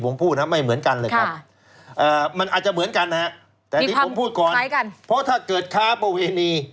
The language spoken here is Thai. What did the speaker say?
ผมพูดนะไม่เหมือนกันเลยครับมันอาจจะเหมือนกันนะฮะแต่ที่ผมพูดก่อนเพราะถ้าเกิดค้าประเวณี